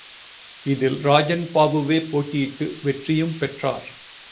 இதில் ராஜன் பாபுவே போட்டியிட்டு, வெற்றியும் பெற்றார்.